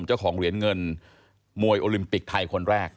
เจ้าของเหรียญเงินมวยโอลิมปิกไทยคนแรก